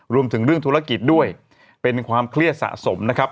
รวมถึงเรื่องธุรกิจด้วยเป็นความเครียดสะสมนะครับ